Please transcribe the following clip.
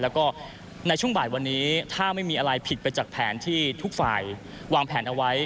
แล้วก็ในช่วงบ่ายวันนี้ถ้าไม่มีอะไรผิดไปจากแผนที่ทุกฝ่ายวางแผนเอาไว้